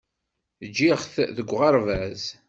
Ǧǧiɣ-t deg uɣerbaz.